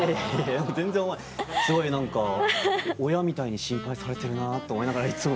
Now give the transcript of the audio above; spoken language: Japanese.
全然思わないすごい何か親みたいに心配されてるなと思いながらいつも。